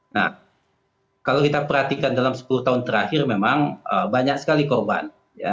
nah kalau kita perhatikan dalam sepuluh tahun terakhir memang banyak sekali korban